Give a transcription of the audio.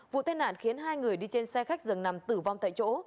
vụ tai nạn khiến hai người đi trên xe khách dường nằm tử vong tại chỗ